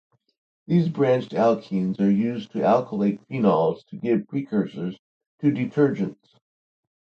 These branched alkenes are used to alkylate phenols to give precursors to detergents.